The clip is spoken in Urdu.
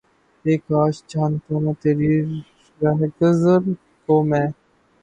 اے کاش! جانتا نہ تیری رہگزر کو میں!